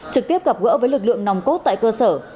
trực tiếp gặp gỡ với lực lượng nòng cốt tại cơ sở